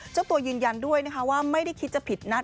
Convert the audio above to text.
เจ้าตัวยืนยันด้วยนะคะว่าไม่ได้คิดจะผิดนัด